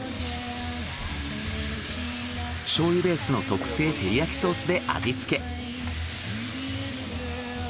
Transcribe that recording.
醤油ベースの特製照り焼きソースで味付け。